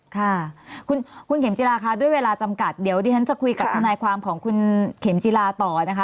ค่ะคุณเข็มจิลาค่ะด้วยเวลาจำกัดเดี๋ยวดิฉันจะคุยกับทนายความของคุณเข็มจิลาต่อนะคะ